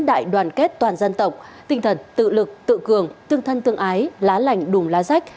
đại đoàn kết toàn dân tộc tinh thần tự lực tự cường tương thân tương ái lá lành đùm lá rách